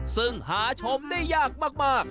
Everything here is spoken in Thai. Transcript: ซึ่งหาชมได้ยากมาก